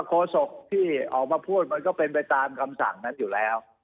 โศกที่ออกมาพูดมันก็เป็นไปตามคำสั่งนั้นอยู่แล้ว